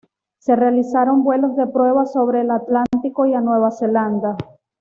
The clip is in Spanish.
Se realizaron vuelos de prueba sobre el Atlántico y a Nueva Zelanda.